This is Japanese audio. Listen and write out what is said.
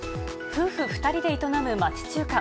夫婦２人で営む町中華。